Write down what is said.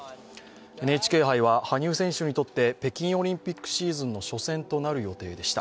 ＮＨＫ杯は羽生選手にとって、北京オリンピックシーズンの初戦となる予定でした。